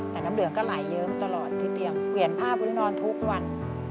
แต่น้ำเหลืองก็ไหลเยิ้มตลอดที่เตียงเปลี่ยนผ้าปูรินอนทุกวัน